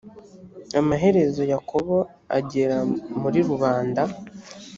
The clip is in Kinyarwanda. amaherezo yakobo agera muri rubanda